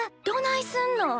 どないすんの？